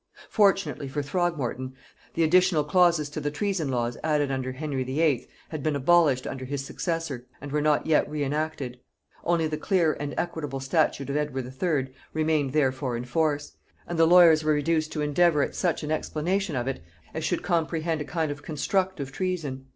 Fortunately for Throgmorton, the additional clauses to the treason laws added under Henry VIII. had been abolished under his successor and were not yet re enacted. Only the clear and equitable statute of Edward III. remained therefore in force; and the lawyers were reduced to endeavour at such an explanation of it as should comprehend a kind of constructive treason.